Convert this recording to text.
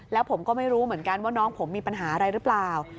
แล้วผมก็ไม่รู้เหมือนกันว่าน้องผมมีปัญหาอะไรหรือเปล่า